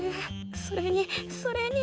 それにそれに。